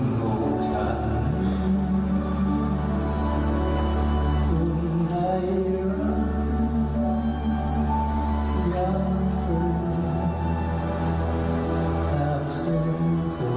คุณหลวงฉันคุณในรักยังคุณแค่เสียงความรัก